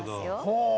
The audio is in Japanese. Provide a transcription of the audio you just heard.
ほう。